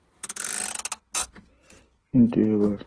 কিন্তু এবার আর সে সহসা ফিরে আসল না।